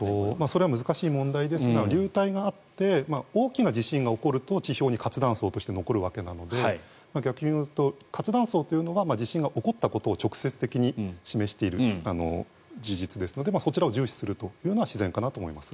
それは難しい問題ですが流体があって大きな地震が起こると地表に活断層として残るわけなので逆に言うと活断層というのは地震が起こったことを直接的に示している事実ですのでそちらを重視するというのは自然かと思います。